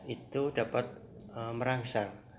itu dapat merangsang